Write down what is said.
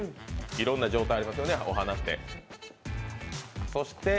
いろんな状態ありますよね、お花って。